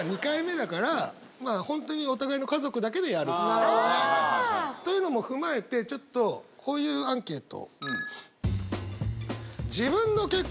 何で？というのも踏まえてちょっとこういうアンケート。